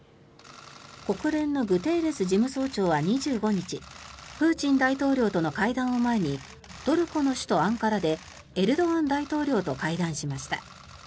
国連のグテーレス事務総長は２５日プーチン大統領との会談を前にトルコの首都アンカラでエルドアン大統領と会談しました。